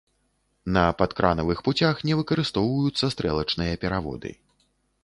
На падкранавых пуцях не выкарыстоўваюцца стрэлачныя пераводы.